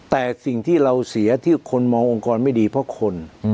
แต่สิ่งที่เราเสียที่คนมององค์กรไม่ดีเพราะคน